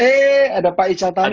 eh ada pak ica tadi